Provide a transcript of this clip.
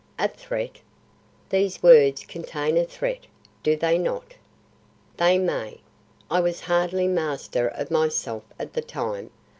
"A threat?" "These words contain a threat, do they not?" "They may. I was hardly master of myself at the time.